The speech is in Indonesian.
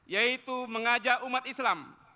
yaitu mengajak umat islam